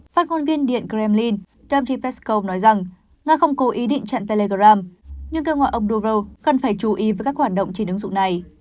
phát ngôn viên điện kremlin dhampi peskov nói rằng nga không cố ý định chặn telegram nhưng kêu gọi ông duro cần phải chú ý với các hoạt động trên ứng dụng này